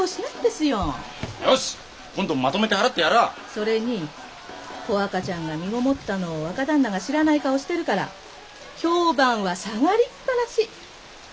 それに小若ちゃんが身ごもったのを若旦那が知らない顔してるから評判は下がりっ放し。